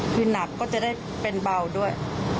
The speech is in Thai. คือหนักก็จะได้เป็นเบาด้วย